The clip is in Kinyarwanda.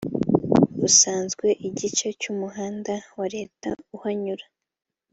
busanzwe igice cy umuhanda wa leta uhanyura